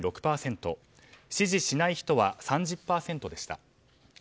支持しない人は３０％でした。